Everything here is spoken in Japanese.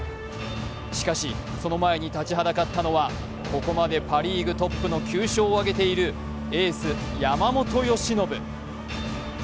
しかし、その前に立ちはだかったのはここれまでパ・リーグトップの９勝を挙げているエース・山本由伸。